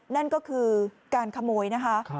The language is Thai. นั่นก็คือการขโมยนะคะ